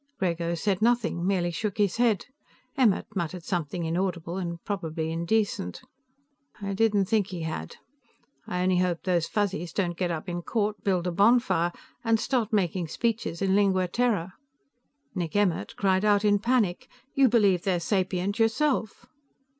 Grego said nothing, merely shook his head. Emmert muttered something inaudible and probably indecent. "I didn't think he had. I only hope those Fuzzies don't get up in court, build a bonfire and start making speeches in Lingua Terra." Nick Emmert cried out in panic. "You believe they're sapient yourself!"